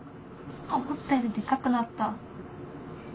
思ったよりデカくなった。